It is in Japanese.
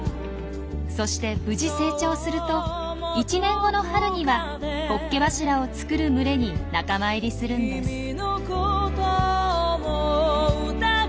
そして無事成長すると１年後の春にはホッケ柱を作る群れに仲間入りするんです。